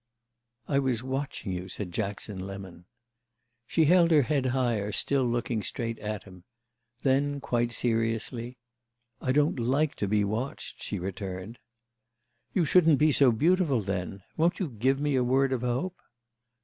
"I was watching you," said Jackson Lemon. She held her head higher, still looking straight at him. Then quite seriously, "I don't like to be watched," she returned. "You shouldn't be so beautiful then. Won't you give me a word of hope?"